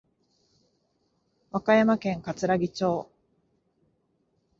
和歌山県かつらぎ町